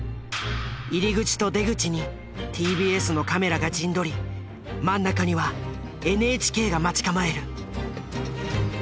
入り口と出口にＴＢＳのカメラが陣取り真ん中にはＮＨＫが待ち構える。